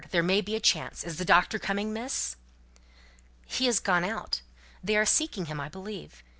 there may be a chance. Is the doctor coming, Miss?" "He is gone out. They are seeking him, I believe.